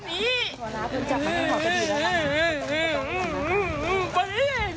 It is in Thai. ปฏิเสธเข้ามาด้วยอินทรายบด่วง